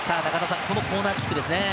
このコーナーキックですね。